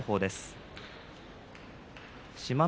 志摩ノ